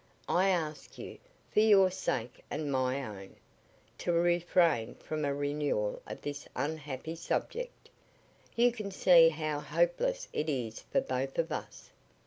I ask you, for your sake and my own, to refrain from a renewal of this unhappy subject. You can see how hopeless it is for both of us.